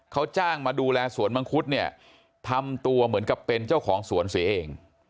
เขาจ้างมาดูแลสวนมังคุดเนี่ยทำตัวเหมือนกับเป็นเจ้าของสวนเสียเอง